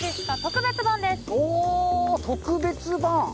お特別版！